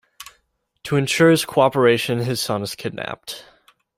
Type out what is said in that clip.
To ensure his cooperation, his son is kidnapped.